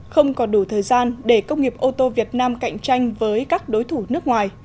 không còn đủ thời gian để công nghiệp ô tô việt nam cạnh tranh với các đối thủ nước ngoài